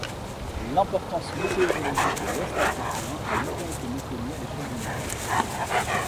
L'importance météorologique de l'ouest Africain a longtemps été méconnu à l'échelle du monde.